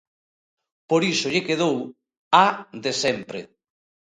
Por iso lle quedou A de sempre.